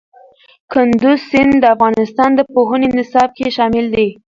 کندز سیند د افغانستان د پوهنې نصاب کې شامل دی.